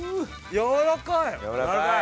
やわらかい！